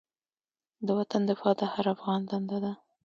د وطن دفاع د هر افغان دنده ده.